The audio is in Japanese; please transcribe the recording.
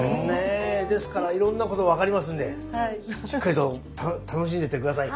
ですからいろんなこと分かりますんでしっかりと楽しんでいって下さい。